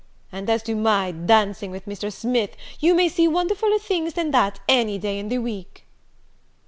And as to my dancing with Mr. Smith, you may see wonderfuller things than that any day in the week."